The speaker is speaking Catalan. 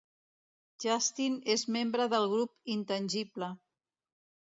Justin és membre del grup Intangible.